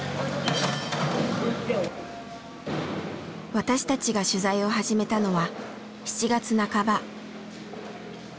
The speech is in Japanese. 私たちが取材を始めたのは７月半ば。